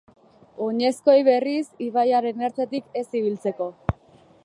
Oinezkoei, berriz, ibaiaren ertzetik ez ibiltzeko.